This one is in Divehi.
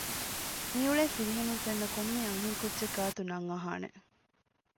މިއުޅޭ ފިރިހެނުން ފެންނަ ކޮންމެ އަންހެން ކުއްޖެއް ގާތު ނަން އަހާނެ